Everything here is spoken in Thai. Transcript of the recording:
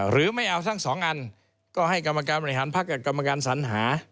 ไม่เอาทั้งสองอันก็ให้กรรมการบริหารพักกับกรรมการสัญหา